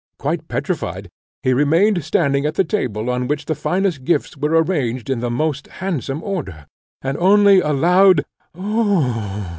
Quite petrified, he remained standing at the table, on which the finest gifts were arranged in the most handsome order, and only a loud "oh!"